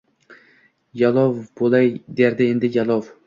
Yalov boʻlay, der endi, yalov!”